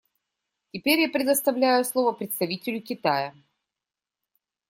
Теперь я предоставляю слово представителю Китая.